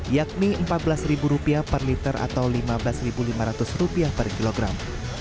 yakni rp empat belas per liter atau rp lima belas lima ratus per kilogram